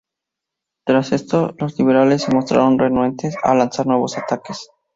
Tras esto, los liberales se mostraron renuentes a lanzar nuevos ataques.